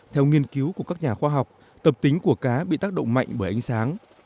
theo nghiên cứu của các nhà khoa học tập tính của cá bị tác động mạnh bởi ánh sáng